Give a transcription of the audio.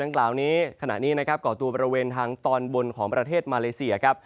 กล่าวนี้ขณะนี้นะครับก่อตัวบริเวณทางตอนบนของประเทศมาเลเซียครับ